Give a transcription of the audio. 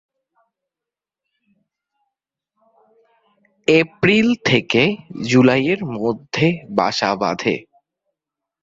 April থেকে জুলাইয়ের মধ্যে বাসা বাঁধে।